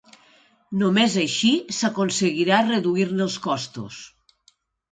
Només així s'aconseguirà reduir-ne els costos.